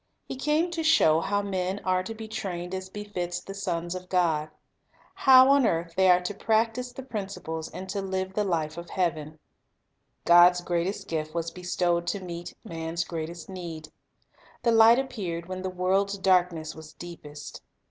He came to show how men are to be trained as befits the sons of God; how on earth the}' are to practise the principles and to live the life of heaven, God's greatest gift was bestowed to meet man's Results of greatest need. The Light appeared when the world's Teaching darkness was deepest.